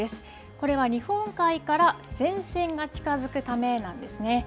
これは日本海から前線が近づくためなんですね。